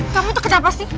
kamu tuh kenapa sih